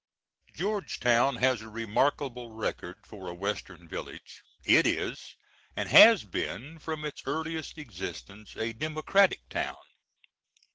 Georgetown has a remarkable record for a western village. It is, and has been from its earliest existence, a democratic town.